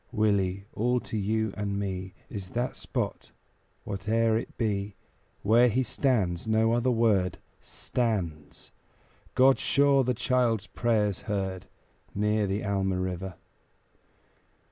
Willie, all to you and me Is that spot, whate'er it be, Where he stands no other word Stands God sure the child's prayers heard Near the Alma River.